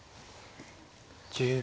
１０秒。